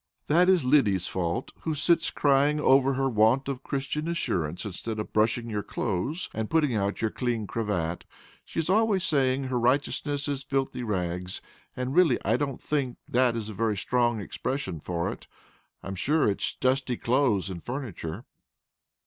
"That is Lyddy's fault, who sits crying over her want of Christian assurance instead of brushing your clothes and putting out your clean cravat. She is always saying her righteousness is filthy rags, and really I don't think that is a very strong expression for it. I'm sure it is dusty clothes and furniture."